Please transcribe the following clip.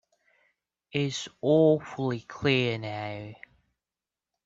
It's awfully clear now.